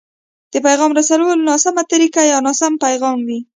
د پيغام رسولو ناسمه طريقه يا ناسم پيغام وي.